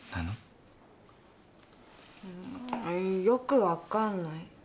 よく分かんない。